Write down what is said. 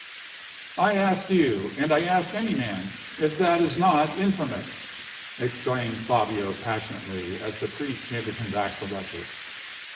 "I ask you, and I ask any man, if that is not infamous?" exclaimed Fabio, passionately, as the priest handed him back the letter.